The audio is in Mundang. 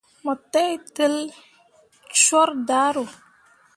Mo teitel coor daaro.